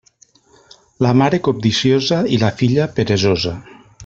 La mare cobdiciosa i la filla peresosa.